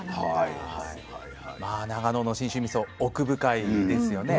まあ長野の信州みそ奥深いですよね。